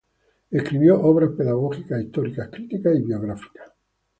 Escribió obras pedagógicas, históricas, críticas y biográficas.